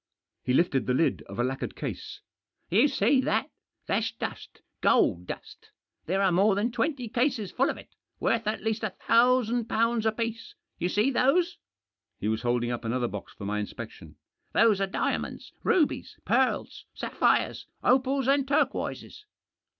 He lifted the lid of a lacquered case. " You see that ? That's dust— gold dust. There are more than twenty cases full of it, worth at least a thousand pounds apiece. You see those ?" He was holding up another box for my inspection. "Those are diamonds, rubies, pearls, sapphires, opals, and turquoises.